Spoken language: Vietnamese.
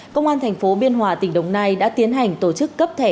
công an thành phố biên hòa tỉnh đồng nai đã tiến hành tổ chức cấp thẻ